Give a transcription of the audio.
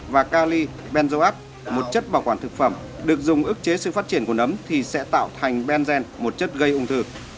và cali benzoate một chất bảo quản thực phẩm được dùng ức chế sự phát triển của nấm thì sẽ tạo thành benzen một chất gây ung thư